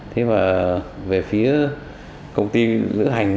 thế mà về phía công ty lữ hành